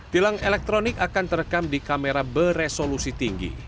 tilang elektronik akan terekam di kamera beresolusi tinggi